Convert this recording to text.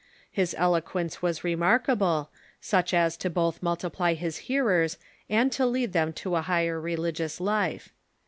His eloquence was re markable, such as to both multiply his hearers and to lead them to a higher religious life.